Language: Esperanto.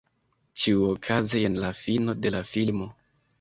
Ĉiuokaze jen la fino de la filmo.